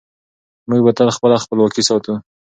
موږ به تل خپله خپلواکي ساتو.